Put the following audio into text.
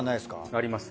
あります。